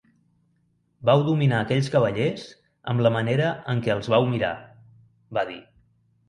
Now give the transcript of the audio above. "Vau dominar aquells cavallers amb la manera en què els vau mirar", va dir.